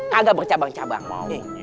kagak bercabang cabang mau